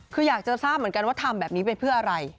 คืออยากจะทราบเหมือนกันว่าทำแบบนี้ไปเพื่ออะไร